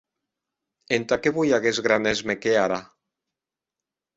Entà qué voi aguest gran èsme qu’è ara?